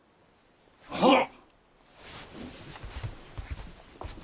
はっ！